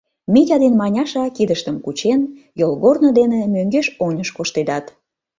Митя ден Маняша, кидыштым кучен, йолгорно дене мӧҥгеш-оньыш коштедат.